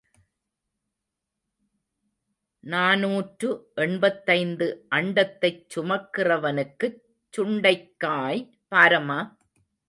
நாநூற்று எண்பத்தைந்து அண்டத்தைச் சுமக்கிறவனுக்குச் சுண்டைக்காய் பாரமா?